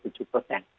lanjutkan mengenai data